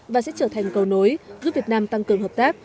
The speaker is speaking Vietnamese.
và sẽ trở thành cầu nối giúp việt nam tăng cường hợp tác